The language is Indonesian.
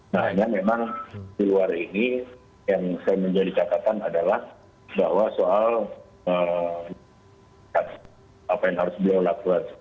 nah hanya memang di luar ini yang saya menjadi catatan adalah bahwa soal apa yang harus beliau lakukan